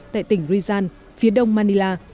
tại tỉnh rizal phía đông manila